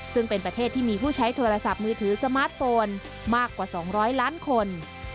ซึ่งเป็นประเทศที่มีผู้ใช้โทรศัพท์มือถือสมาร์ทโฟนมากกว่า๒๐๐ล้านคน